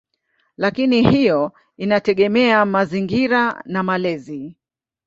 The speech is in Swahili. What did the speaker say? Lakini hiyo inategemea mazingira na malezi.